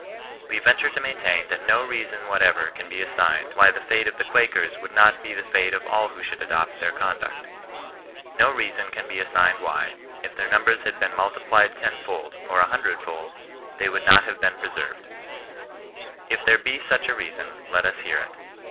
Wa ven ture to maintain that no leason whatever can be asn^ed, why the fnte of the Quakers would not be the fate of all who should adopt their conduct. No reason can be as 8ifni>:<l >*hT, if tiieir numbers had been multiplied ten fold, or a hundred fold, thay would not have been pre ferred. If there be such a reason, let us hear it.